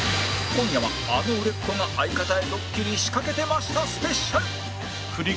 今夜はあの売れっ子が相方へドッキリ仕掛けてましたスペシャル